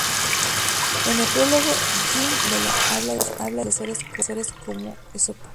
En el prólogo, Jean de La Fontaine habla de sus predecesores como Esopo.